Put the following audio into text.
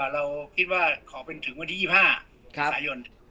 เราคิดว่าขอเป็นถึงวันที่๒๕สายน